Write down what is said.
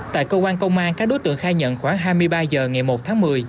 tại cơ quan công an các đối tượng khai nhận khoảng hai mươi ba h ngày một tháng một mươi